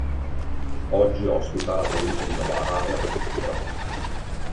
Oggi ospita la Provincia di Novara e la prefettura.